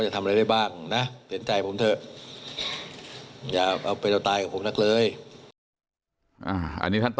นักข่าวถามว่าตาที่ไปผ่าตัดเป็นอย่างไรบ้าง